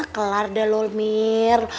kelar dah lho mir